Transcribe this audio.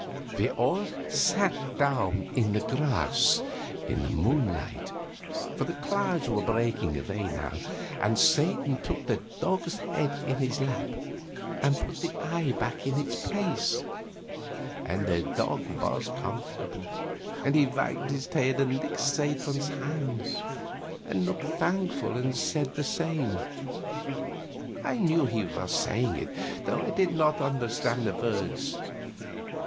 We all sat down in the grass, in the moonlight, for the clouds were breaking away now, and Satan took the dog's head in his lap and put the eye back in its place, and the dog was comfortable, and he wagged his tail and licked Satan's hand, and looked thankful and said the same; I knew he was saying it, though I did not understand the words.